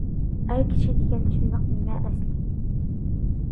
— ئەر كىشى دېگەن شۇنداق نېمە ئەسلى.